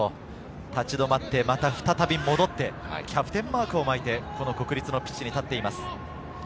立ち止まって、また再び戻ってキャプテンマークを巻いて、国立のピッチに立っています。